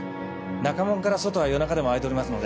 中門から外は夜中でも開いておりますので。